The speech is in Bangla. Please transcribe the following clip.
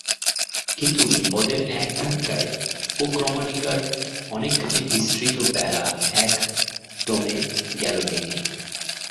কিন্তু বিপদের এক ধাক্কায় উপক্রমণিকার অনেকখানি বিস্তৃত বেড়া এক দমে গেল ভেঙে।